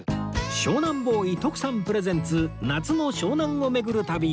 湘南ボーイ徳さんプレゼンツ夏の湘南を巡る旅